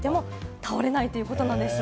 倒れないということなんです。